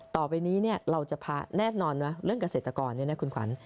ต่อไปนี้เราจะพาแน่นอนนะเรื่องเกษตรกรเนี่ยนะคุณขวัญ